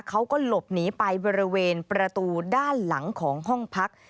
เขาก็หลบหนีไปบริเวณประตูด้านหลังของห้องพัก